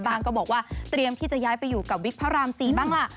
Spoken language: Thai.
ก็บอกว่าเตรียมที่จะย้ายไปอยู่กับวิกพระราม๔บ้างล่ะ